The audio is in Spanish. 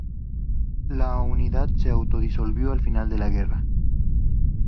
La unidad se autodisolvió al final de la guerra.